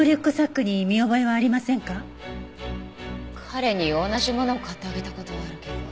彼に同じものを買ってあげた事はあるけど。